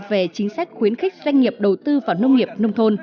về chính sách khuyến khích doanh nghiệp đầu tư vào nông nghiệp nông thôn